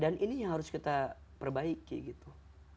dan ini yang harus kita perbaiki gitu